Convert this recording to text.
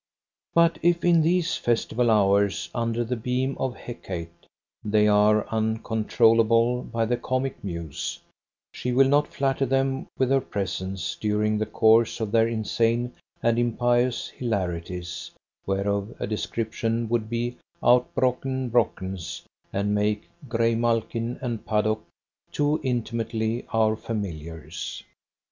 But if in these festival hours under the beam of Hecate they are uncontrollable by the Comic Muse, she will not flatter them with her presence during the course of their insane and impious hilarities, whereof a description would out Brocken Brockens and make Graymalkin and Paddock too intimately our familiars.